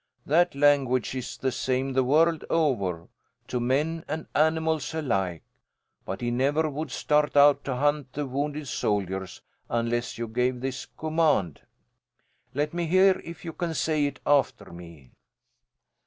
That language is the same the world over, to men and animals alike. But he never would start out to hunt the wounded soldiers unless you gave this command. Let me hear if you can say it after me."